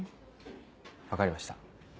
分かりました。